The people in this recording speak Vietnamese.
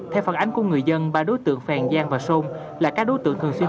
theo phản ánh của người dân ba đối tượng phèn giang và sơn là các đối tượng thường xuyên